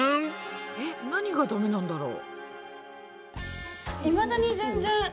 えっ何がダメなんだろう？